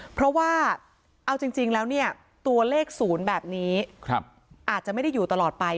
เพราะว่าเอาจริงแล้วเนี่ยตัวเลข๐แบบนี้อาจจะไม่ได้อยู่ตลอดไป